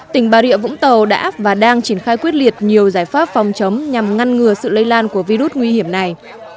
tỉnh bà rịa vũng tàu đã và đang triển khai quyết liệt nhiều giải pháp phòng chống nhằm ngăn ngừa sự lây lan của virus nguy hiểm này